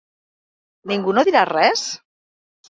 Ningú no dirà res?